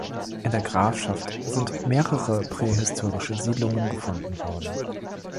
In der Grafschaft sind mehrere prähistorische Siedlungen gefunden worden.